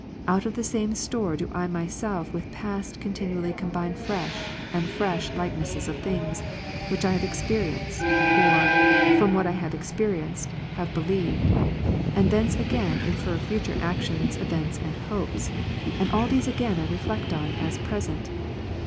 Out of the same store do I my self with the past continually combine fresh and fresh like nesses of things, which I have experienced, or, from what I have experienced, have believed: and thence again infer future actions, events and hopes, and all these again I reflect on, as present.